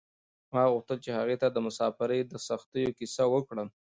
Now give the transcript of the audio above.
ما غوښتل چې هغې ته د مساپرۍ د سختیو کیسه وکړم.